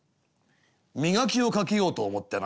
「磨きをかけようと思ってな」。